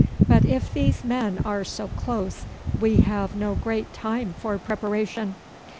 But if these men are so close we have no great time for preparation.